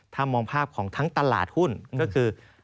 ถ้ามองภาพของทั้งตลาดหุ้นก็คือ